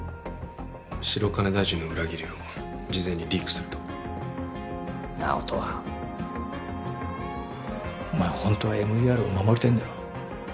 白金大臣の裏切りを事前にリークするとなあ音羽お前ホントはＭＥＲを守りたいんだろ